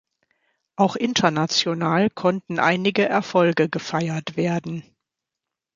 Auch international konnten einige Erfolge gefeiert werden.